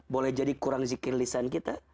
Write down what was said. boleh jadi kurang zikir lisan kita